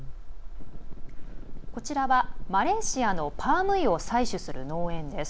こちらはマレーシアのパーム油を採取する農園です。